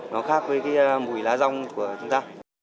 nó khác với cái mùi lá rong của chúng ta